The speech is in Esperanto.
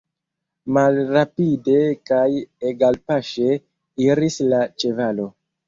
Malrapide kaj egalpaŝe iris la ĉevalo.